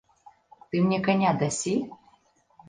Ты мне каня дасі?